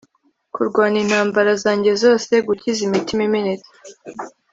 kurwana intambara zanjye zose, gukiza imitima imenetse